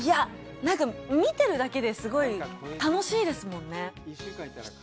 なんか見てるだけですごい楽しいですもんね。